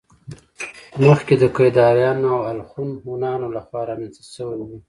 مخکې د کيداريانو او الخون هونانو له خوا رامنځته شوي وو